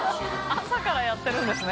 朝からやってるんですね